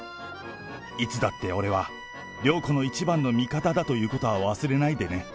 いつだって俺は涼子の一番の味方だということは忘れないでね。